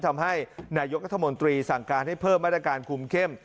ทำให้นายกรัฐมนตรีสั่งการให้เพิ่มมาตรการคุมเข้ม